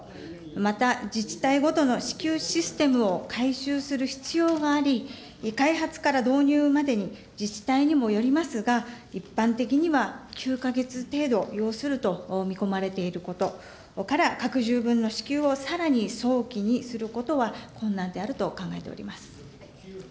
また、自治体ごとの支給システムを改修する必要があり、開発から導入までに自治体にもよりますが、一般的には９か月程度要すると見込まれていることから拡充分の支給をさらに早期にすることは困難であると考えております。